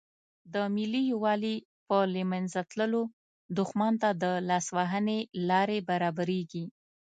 د ملي یووالي په له منځه تللو دښمن ته د لاس وهنې لارې برابریږي.